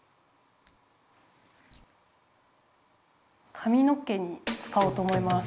かみの毛につかおうと思います。